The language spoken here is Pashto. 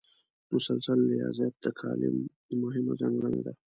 مسلسل ریاضت د کالم مهمه ځانګړنه ده.